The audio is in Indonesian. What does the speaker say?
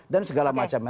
dan segala macamnya